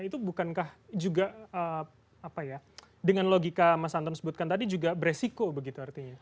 itu bukankah juga apa ya dengan logika mas anton sebutkan tadi juga beresiko begitu artinya